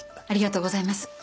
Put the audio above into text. ありがとうございます。